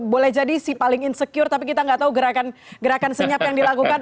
boleh jadi si paling insecure tapi kita nggak tahu gerakan senyap yang dilakukan